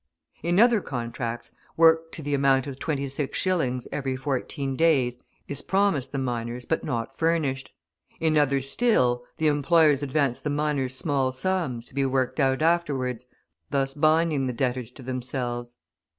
In other contracts, work to the amount of 26s. every 14 days, is promised the miners, but not furnished, in others still, the employers advance the miners small sums to be worked out afterwards, thus binding the debtors to themselves.